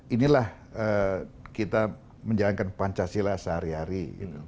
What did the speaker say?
inilah kita menjalankan pancasila sehari hari